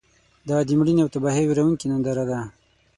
دا د مړینې او تباهۍ ویرونکې ننداره ده.